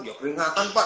ya beringkatan pak